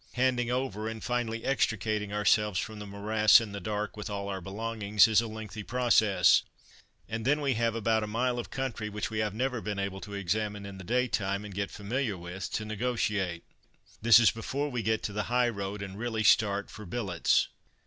Handing over, and finally extricating ourselves from the morass, in the dark, with all our belongings, is a lengthy process; and then we have about a mile of country which we have never been able to examine in the day time, and get familiar with, to negotiate. This is before we get to the high road, and really start for billets.